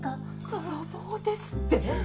泥棒ですって！？